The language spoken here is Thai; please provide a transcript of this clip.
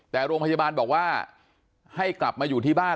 แต่โรงพยาบาลบอกว่าให้กลับมาอยู่ที่บ้าน